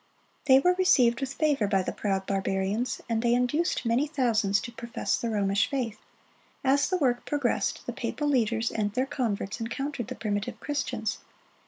They were received with favor by the proud barbarians, and they induced many thousands to profess the Romish faith. As the work progressed, the papal leaders and their converts encountered the primitive Christians.